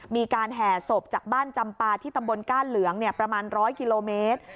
แห่ศพจากบ้านจำปาที่ตำบลก้านเหลืองประมาณ๑๐๐กิโลเมตร